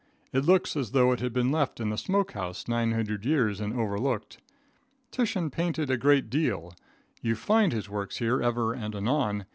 It looks as though it had been left in the smoke house 900 years and overlooked. Titian painted a great deal. You find his works here ever and anon.